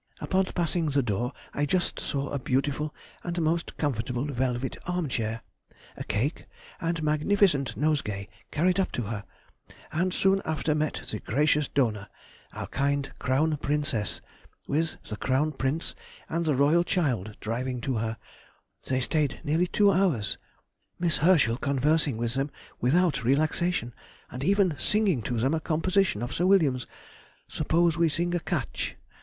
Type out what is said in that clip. Upon passing the door I just saw a beautiful and most comfortable velvet armchair, a cake, and magnificent nosegay carried up to her, and soon after met the gracious donor, our kind Crown Princess, with the Crown Prince and the Royal child driving to her; they stayed nearly two hours, Miss Herschel conversing with them without relaxation, and even singing to them a composition of Sir William's, 'Suppose we sing a Catch.